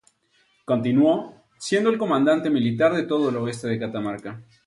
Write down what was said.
Continuó siendo el comandante militar de todo el oeste de Catamarca.